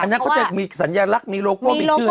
อันนั้นเขาจะมีสัญญาณลักษณ์มีโลโก้มีชื่อให้ด้วย